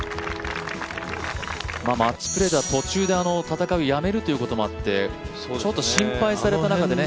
マッチプレーでは途中で、戦いをやめるということもあってちょっと心配された中でね。